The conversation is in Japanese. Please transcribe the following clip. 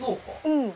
うん。